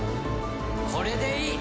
これでいい。